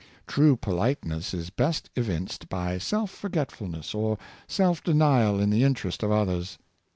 True politeness is best evinced by self forgetfulness or self denial in the interest of others.